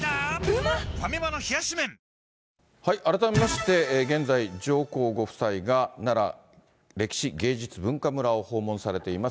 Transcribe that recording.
ファミマの冷し麺改めまして、現在、上皇ご夫妻がなら歴史芸術文化村を訪問されています。